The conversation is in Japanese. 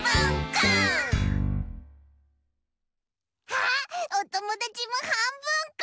あっおともだちもはんぶんこ！